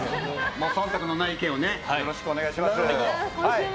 忖度のない意見をよろしくお願いします。